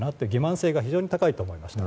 欺瞞性が非常に高いと思いました。